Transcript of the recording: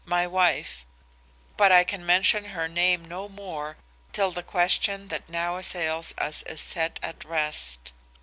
My wife But I can mention her name no more till the question that now assails us is set at rest.